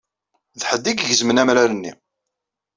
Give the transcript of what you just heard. D ḥedd i igezmen amrar-nni.